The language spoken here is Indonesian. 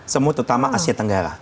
semua terutama asia tenggara